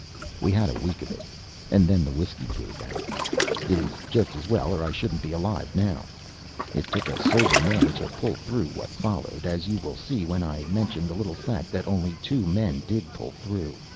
We had a week of it, and then the whiskey gave out. It is just as well, or I shouldn't be alive now. It took a sober man to pull through what followed, as you will agree when I mention the little fact that only two men did pull through.